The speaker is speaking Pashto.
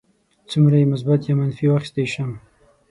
څومره یې مثبت یا منفي واخیستی شم.